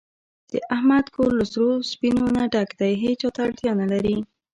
د احمد کور له سرو سپینو نه ډک دی، هېچاته اړتیا نه لري.